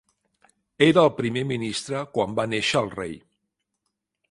Era el primer ministre quan va néixer el rei.